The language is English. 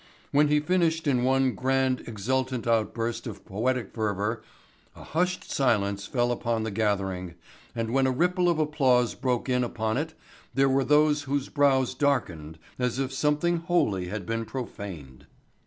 When he finished in one grand, exultant outburst of poetic fervor a hushed silence fell upon the gathering and when a ripple of applause broke in upon it there were those whose brows darkened as if something holy had been profaned.